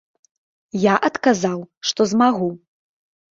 Я адказаў, што змагу.